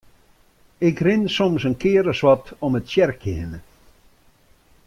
Ik rin soms in kear as wat om it tsjerkje hinne.